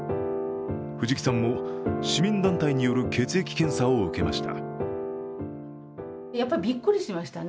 藤木さんも、市民団体による血液検査を受けました。